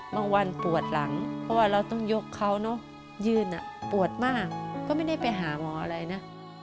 วันปวดหลังเพราะว่าเราต้องยกเขาเนอะยืนปวดมากก็ไม่ได้ไปหาหมออะไรนะ